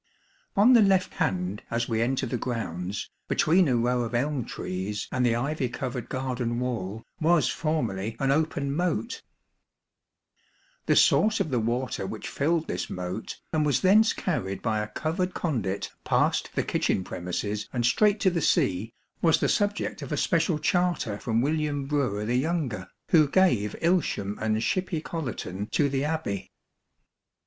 On the left hand as we enter the grounds, between a row of elm trees and the ivy covered garden wall, was formerly an open moat. The source of the water which filled this moat, and was thence carried by a covered conduit past the kitchen premises and straight to the sea, was the subject of a special charter from William Brewer the younger, who gave Ilsham and Shiphay Collaton to the Abbey.